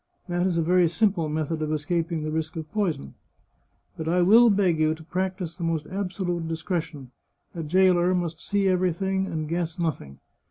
That is a very simple method of escap ing the risk of poison. But I will beg you to practise the most absolute discretion ; a jailer must see everything, and guess nothing.